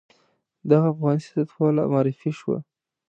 دغه افغاني سیاستواله معرفي شوه.